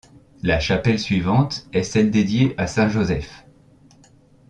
La chapelle suivante est celle dédiée à saint Joseph.